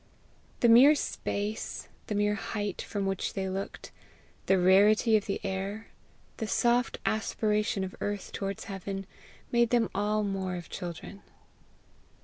The mere space, the mere height from which they looked, the rarity of the air, the soft aspiration of earth towards heaven, made them all more of children.